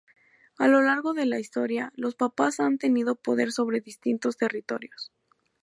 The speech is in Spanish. A lo largo de la historia, los papas han tenido poder sobre distintos territorios.